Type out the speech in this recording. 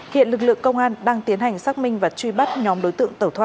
hiện lực lượng công an đang tiến hành xác minh và truy bắt nhóm đối tượng tẩu thoát